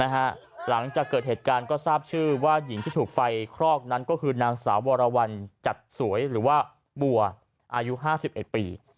หลังจากเกิดเหตุการณ์ก็ทราบชื่อว่าหญิงที่ถูกไฟคลอกนั้นก็คือนางสาววรวรรณจัดสวยหรือว่าบัวอายุ๕๑ปี